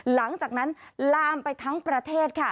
หลังจากนั้นลามไปทั้งประเทศค่ะ